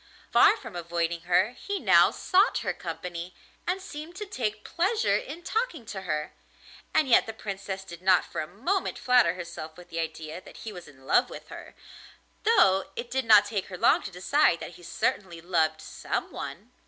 Far from avoiding her, he now sought her company and seemed to take pleasure in talking to her, and yet the Princess did not for a moment flatter herself with the idea that he was in love with her, though it did not take her long to decide that he certainly loved someone.